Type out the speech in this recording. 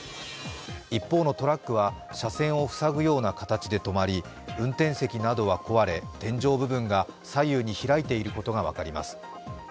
一方のトラックは車線を塞ぐような形で止まり運転席などは壊れ、天井部分が左右に開いていることが分かります。